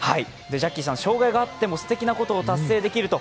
ジャッキーさん、障害があってもすてきなことが達成できると